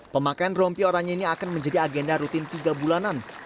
pemakaian rompi oranya ini akan menjadi agenda rutin tiga bulanan